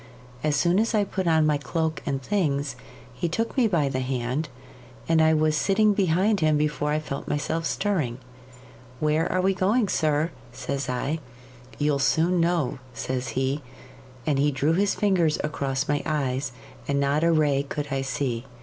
As soon as I put on my cloak and things, he took me by the hand, and I was sitting behind him before I felt myself stirring. "Where are we going, sir?" says I. "You'll soon know," says he; and he drew his fingers across my eyes, and not a ray could I see.